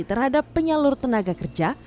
terhadap penyalur tenaga kerja